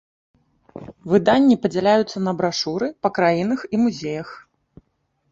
Выданні падзяляюцца на брашуры па краінах і музеях.